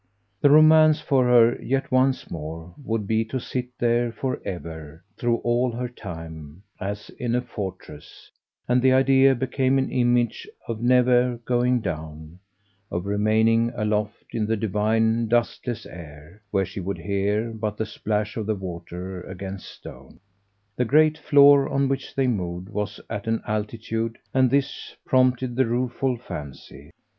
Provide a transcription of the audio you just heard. The romance for her, yet once more, would be to sit there for ever, through all her time, as in a fortress; and the idea became an image of never going down, of remaining aloft in the divine dustless air, where she would hear but the plash of the water against stone. The great floor on which they moved was at an altitude, and this prompted the rueful fancy.